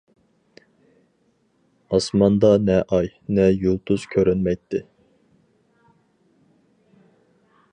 ئاسماندا نە ئاي، نە يۇلتۇز كۆرۈنمەيتتى.